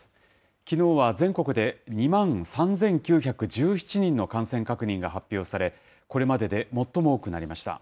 きのうは全国で２万３９１７人の感染確認が発表され、これまでで最も多くなりました。